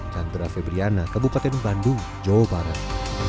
chandra febriana kabupaten bandung jawa barat